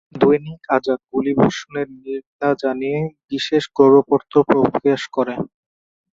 দৈনিক আজাদ গুলিবর্ষণের নিন্দা জানিয়ে বিশেষ ক্রোড়পত্র প্রকাশ করে।